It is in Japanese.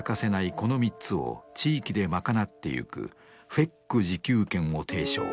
この３つを地域でまかなっていくＦＥＣ自給圏を提唱。